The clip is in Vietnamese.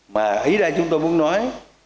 mà ý ra chúng tôi muốn nói